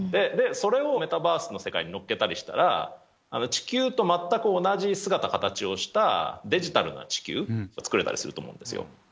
それをメタバースの世界に乗っけたりとかしたら、地球と全く同じ姿形をしたデジタルな地球が作れたりすると思うんですよ。